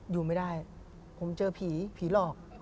อยู่ไม่ได้ผมเจอผีผีหลอก